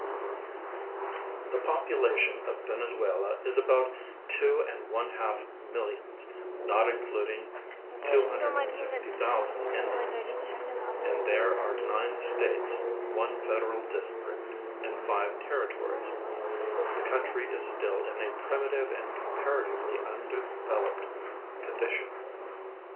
50 VENEZUELA : The population of Venezuela is about two and one half mill ions, not including 260,000 Indians, and there are nine states, one federal district, and five territories. The country is still in a |)rimitive and com})aratively undeveloi)ed condition.